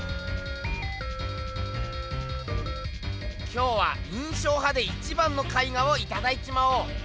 今日は印象派で一番の絵画をいただいちまおう。